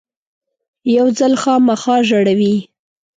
یو ځل خامخا ژړوي .